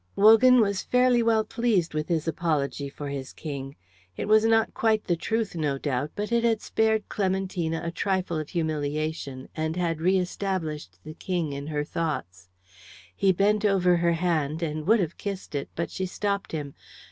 Wogan was fairly well pleased with his apology for his King. It was not quite the truth, no doubt, but it had spared Clementina a trifle of humiliation, and had re established the King in her thoughts. He bent over her hand and would have kissed it, but she stopped him.